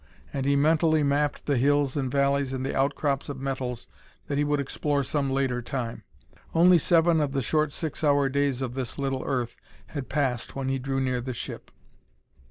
And he mentally mapped the hills and valleys and the outcrops of metals that he would explore some later time. Only seven of the short six hour days of this little earth had passed when he drew near the ship.